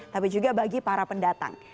tapi juga bagi para pendatang